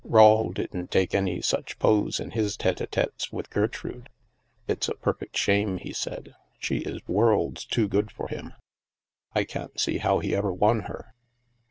Rawle didn't take any such pose in his tete d tetes with Gertrude. " It's a perfect shame," he said. " She is worlds too good for him. I can't see how he ever won her."